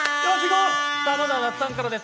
まずは那須さんからです。